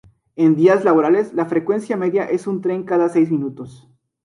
En días laborables la frecuencia media es un tren cada seis minutos.